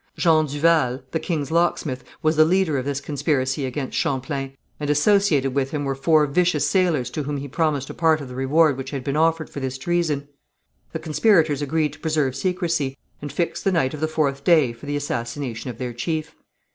Jean Duval, the king's locksmith, was the leader of this conspiracy against Champlain, and associated with him were four vicious sailors to whom he promised a part of the reward which had been offered for this treason. The conspirators agreed to preserve secrecy, and fixed the night of the fourth day for the assassination of their chief.